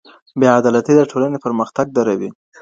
بې عدالتي د ټولني پرمختګ دروي.